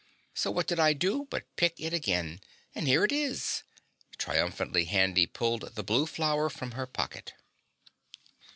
So what did I do but pick it again and here it is!" Triumphantly Handy pulled the blue flower from her pocket.